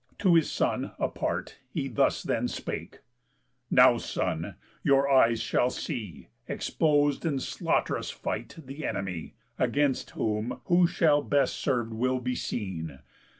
To his son, apart, He thus then spake: "Now, son, your eyes shall see, Expos'd in slaught'rous fight, the enemy, Against whom who shall best serve will be seen.